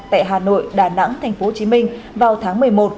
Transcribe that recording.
tại hà nội đà nẵng tp hcm vào tháng một mươi một